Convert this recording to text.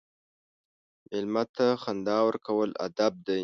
مېلمه ته خندا ورکول ادب دی.